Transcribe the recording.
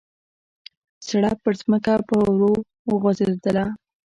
سړپ پرځمکه به ور وغورځېدله.